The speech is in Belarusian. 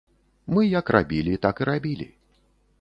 Мы як рабілі, так і рабілі.